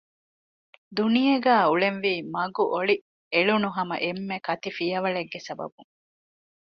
ދުނިޔޭގައި އުޅެންވީ މަގު އޮޅި އެޅުނު ހަމަ އެންމެ ކަތިފިޔަވަޅެއްގެ ސަބަބުން